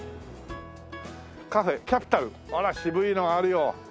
「カフェキャピタル」あら渋いのがあるよ。